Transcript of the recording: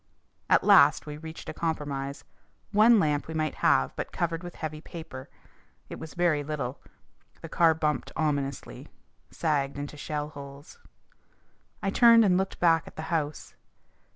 At last we reached a compromise. One lamp we might have, but covered with heavy paper. It was very little. The car bumped ominously, sagged into shell holes. I turned and looked back at the house.